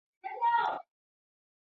最终回归到自然的抒情派画风。